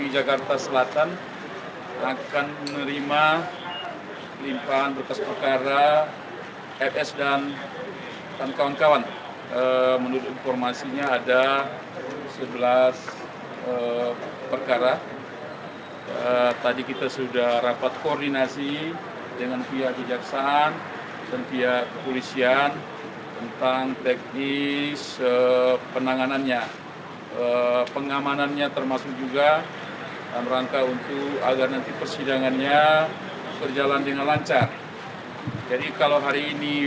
jangan lupa like share dan subscribe channel ini